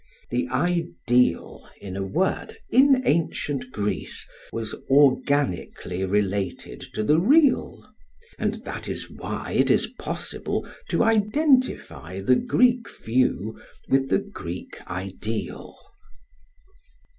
The ideal, in a word, in ancient Greece, was organically related to the real; and that is why it is possible to identify the Greek view with the Greek ideal.